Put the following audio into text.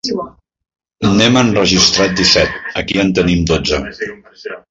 N'hem enregistrat disset, aquí en tenim dotze.